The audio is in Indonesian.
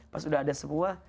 pas udah ada semua